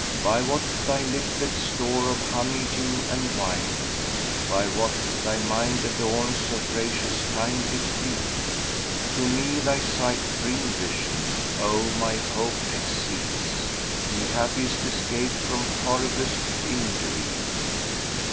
By what thy liplets store of honey dew and wine! * By what thy mind adorns of gracious kindly gree! To me thy sight dream visioned, O my hope! exceeds * The happiest escape from horriblest injury."